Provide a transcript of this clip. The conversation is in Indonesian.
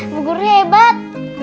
bu gurunya hebat